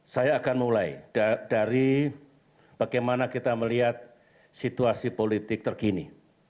saya akan mulai dari bagaimana kita melihat situasi politik terkini